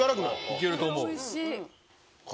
いけると思う。